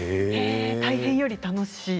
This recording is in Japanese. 大変より楽しい？